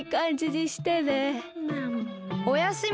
おやすみ。